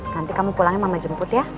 nanti kamu pulangnya mama jemput ya